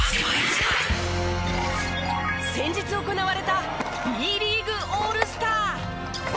先日行われたＢリーグオールスター。